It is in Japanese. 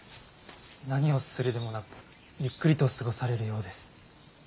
何をするでもなくゆっくりと過ごされるようです。